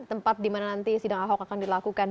tempat dimana nanti sidang ahok akan dilakukan